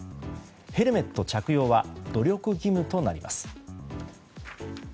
ヘルメット着用は努力義務となります。